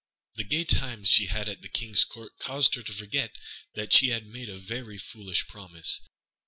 The gay times she had at the King's Court caused her to forget that she had made a very foolish promise.